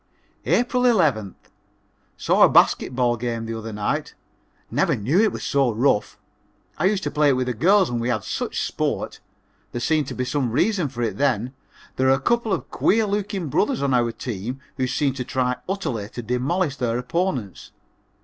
April 11th. Saw a basket ball game the other night. Never knew it was so rough. I used to play it with the girls and we had such sport. There seemed to be some reason for it then. There are a couple of queer looking brothers on our team who seem to try utterly to demolish their opponents.